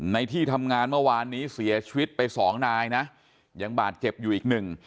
ที่ทำงานเมื่อวานนี้เสียชีวิตไปสองนายนะยังบาดเจ็บอยู่อีกหนึ่ง